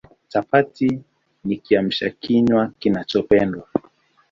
Chapati ni Kiamsha kinywa kinachopendwa